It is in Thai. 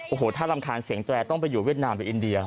โอ้โหถ้ารำคาญเสียงแตรต้องไปอยู่เวียดนามไปอินเดีย